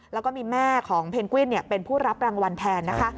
แล้วก็มีแม่ของเพนกวินเป็นผู้รับรางวัลแทนนะคะ